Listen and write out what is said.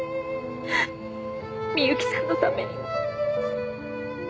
深雪さんのためにも。